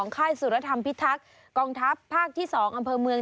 ค่ายสุรธรรมพิทักษ์กองทัพภาคที่๒อำเภอเมือง